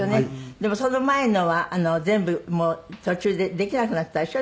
でもその前のは全部途中でできなくなったでしょ？